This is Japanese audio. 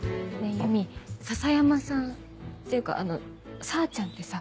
ゆみ篠山さんっていうかさーちゃんってさ